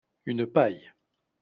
Une paille